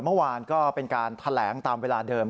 เมื่อวานก็เป็นการแถลงตามเวลาเดิม